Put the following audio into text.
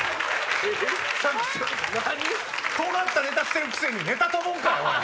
とがったネタしてるくせにネタ飛ぶんかい！